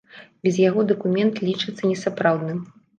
Без яго дакумент лічыцца несапраўдным.